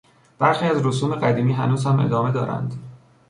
برخی از رسوم قدیمی هنوز هم ادامه دارند.